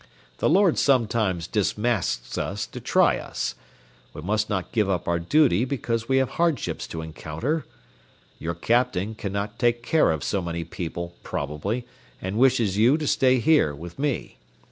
The Lord sometimes dismasts us to try us. We must not give up our duty because we have hardships to encounter. Your captain cannot take care of so many people, probably, and wishes you to stay here with me.